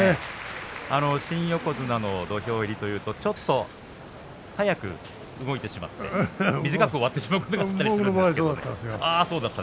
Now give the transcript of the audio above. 新横綱の土俵入りというとちょっと速く動いてしまって短く終わってしまうことが僕の場合そうでした。